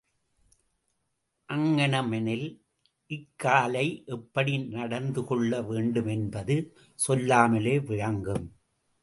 அங்ஙனமெனில், இக்காலை எப்படி நடத்து கொள்ள வேண்டும் என்பது சொல்லாமலே விளங்கும்.